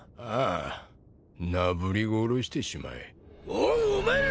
おうお前ら！